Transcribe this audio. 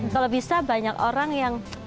kalau bisa banyak orang yang